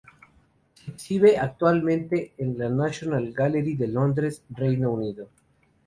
Se exhibe actualmente en la National Gallery de Londres, Reino Unido.